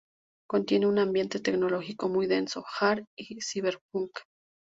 Contiene un ambiente tecnológico muy denso, hard y ciberpunk.